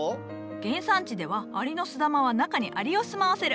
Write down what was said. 原産地ではアリノスダマは中にアリを住まわせる。